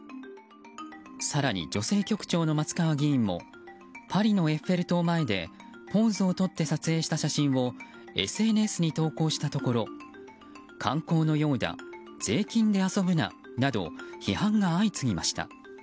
更に、女性局長の松川議員もパリのエッフェル塔前でポーズをとって撮影した写真をＳＮＳに投稿したところ観光のようだ税金で遊ぶななど批判が相次ぎました。